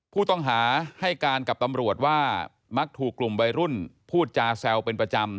ผู้ต้องหาให้การกับตำรวจว่ามักถูกกลุ่มวัยรุ่นพูดจาแซวเป็นประจำ